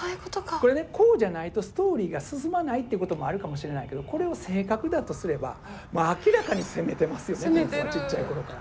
これねこうじゃないとストーリーが進まないってこともあるかもしれないけどこれを性格だとすればこの子はちっちゃい頃から。